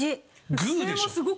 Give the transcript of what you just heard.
グーでしょ。